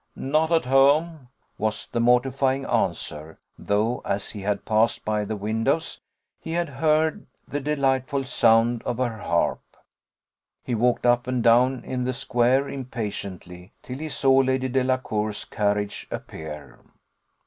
"Not at home," was the mortifying answer; though, as he had passed by the windows, he had heard the delightful sound of her harp. He walked up and down in the square impatiently, till he saw Lady Delacour's carriage appear.